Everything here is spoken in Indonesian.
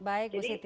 baik bu siti